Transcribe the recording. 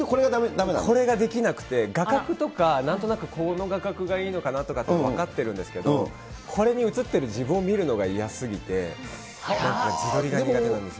これができなくて、画角とか、なんとなく、この画角がいいのかって分かってるんですけど、これに写ってる自分を見るのが嫌すぎて、なんか自撮りが苦手なんですよ。